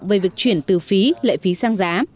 về việc chuyển từ phí lệ phí sang giá